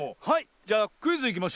じゃあクイズいきましょう。